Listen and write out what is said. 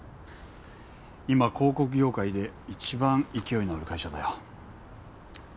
今広告業界で一番勢いのある会社だよ。